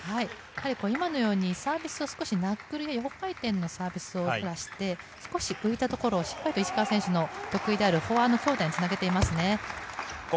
今のようにサービスをナックル、横回転の出して少し浮いたところをしっかり石川選手の得意であるフォアの強打につなげていますね。